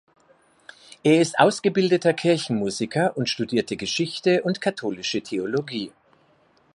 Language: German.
Er ist ausgebildeter Kirchenmusiker und studierte Geschichte und katholische Theologie.